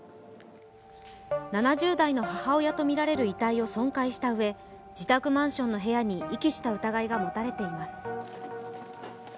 ７０代の母親とみられる遺体を損壊したうえ、自宅マンションの部屋に遺棄した疑いが持たれています。